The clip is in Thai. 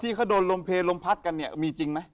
ที่เขาโดนลมเพลลมพัดกันเนี่ยมีจริงไหม